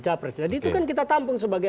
capres jadi itu kan kita tampung sebagai